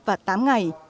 và tám ngày